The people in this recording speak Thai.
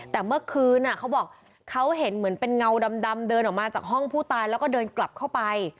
แต่เมื่อคืนเขาบอกเขาเห็นเหมือนเป็นเงาดำเดินออกมาจากห้องผู้ตายแล้วก็เดินกลับเข้าไป